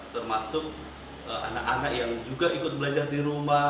termasuk anak anak yang juga ikut belajar di rumah